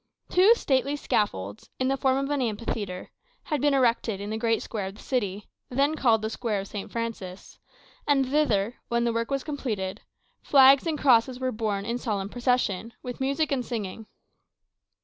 Two stately scaffolds, in the form of an amphitheatre, had been erected in the great square of the city, then called the Square of St. Francis; and thither, when the work was completed, flags and crosses were borne in solemn procession, with music and singing.